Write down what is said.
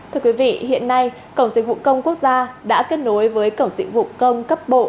thưa quý vị hiện nay cổng dịch vụ công quốc gia đã kết nối với cổng dịch vụ công cấp bộ